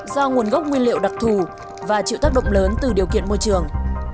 do nguồn gốc nguyên liệu đặc thù và chịu tác động lớn từ điều kiện môi trường